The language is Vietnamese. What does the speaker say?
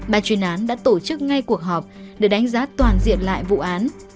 bà chuyên án đã tổ chức ngay cuộc họp để đánh giá toàn diện lại vụ án